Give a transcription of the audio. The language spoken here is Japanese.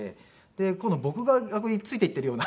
今度僕が逆について行っているような。